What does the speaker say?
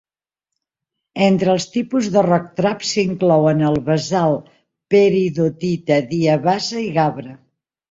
Entre els tipus de rock trap s'inclouen el basalt, peridotita, diabasa i gabre.